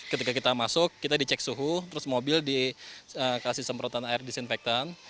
ketika kita masuk kita dicek suhu terus mobil dikasih semprotan air disinfektan